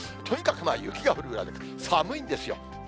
とにかく雪が降るぐらい寒いんですよ。